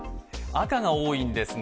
赤が多いんですが、